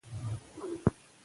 دا ځای د ځوانانو مرکز شوی دی.